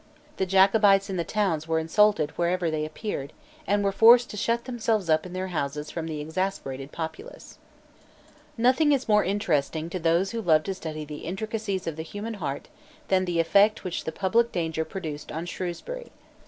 The Jacobites in the towns were insulted wherever they appeared, and were forced to shut themselves up in their houses from the exasperated populace, Nothing is more interesting to those who love to study the intricacies of the human heart than the effect which the public danger produced on Shrewsbury.